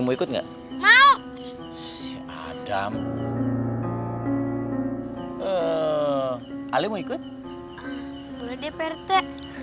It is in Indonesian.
mau ikut nggak mau adam eh alih mau ikut boleh percaya